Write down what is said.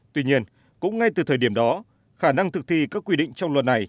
tuy nhiên cũng ngay từ thời điểm đó khả năng thực thi các quy định trong luật này